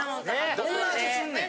・どんな味すんねん？